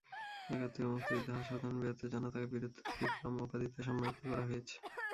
একাত্তুরের মুক্তিযুদ্ধে অসাধারণ বীরত্বের জন্যে তাকে বীর বিক্রম উপাধিতে সম্মানিত করা হয়েছে।